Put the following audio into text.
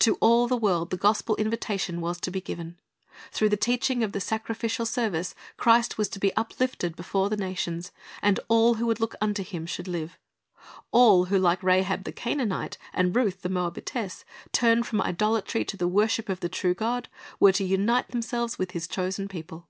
To all the world the gospel invitation was to be given. Through the teaching of the sacrificial service, Christ was to be uplifted before the nations, and all who would look unto Him should live. All who, like Rahab the Canaanite, and Ruth the Moabitess, turned from idolatry to the worship of the true God, were to unite themselves with His chosen people.